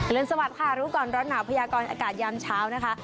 สวัสดีค่ะรู้ก่อนร้อนหนาวพยากรอากาศยามเช้านะคะ